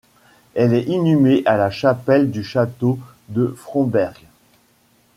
Elle est inhumée à la chapelle du château de Fronberg.